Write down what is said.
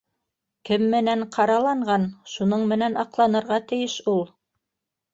Кем менән ҡараланған, шуның менән аҡланырға тейеш ул!